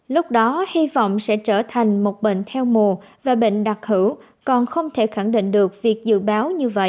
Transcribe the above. lúc đó hy vọng sẽ trở thành một bệnh theo mùa và bệnh đặc hữu còn không thể khẳng định được việc dự báo như vậy